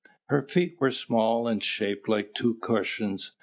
Her feet were small and shaped like two cushions.